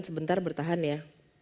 sebentar bertahan ya